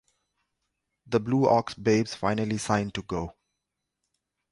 The Blue Ox Babes finally signed to Go!